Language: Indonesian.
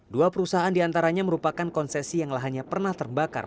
dua perusahaan diantaranya merupakan konsesi yang lahannya pernah terbakar